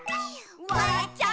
「わらっちゃう」